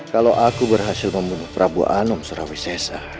kalau aku berhasil membunuh prabu anom surawi sesa